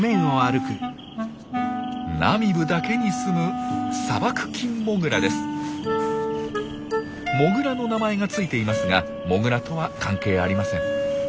ナミブだけにすむモグラの名前が付いていますがモグラとは関係ありません。